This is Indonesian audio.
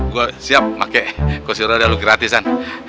gua siap pake kursi roda lu gratisan